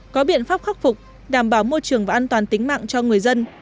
có biện pháp khắc phục đảm bảo môi trường và an toàn tính mạng cho người dân